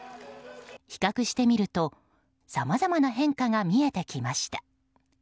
比較してみるとさまざまな変化が見えてきました。